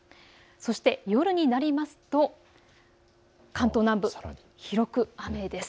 そして夜になると関東南部、広く雨です。